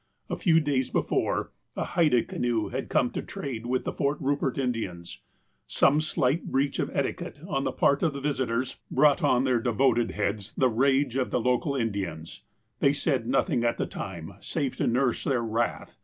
A few days before, a Haida canoe had come to trade with the Fort Rupert Indians. Some slight breach of eti quette on the part of the visitors brought on " their de 48 THE APOSTLE OF ALASKA voted heads the rage of the local Indians. They said nothing at the time, save to nurse their wrath.